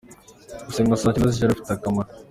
Gusenga saa cyenda z’ijoro bifite akamaro.